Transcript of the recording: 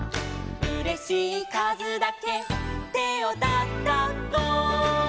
「うれしいかずだけてをたたこ」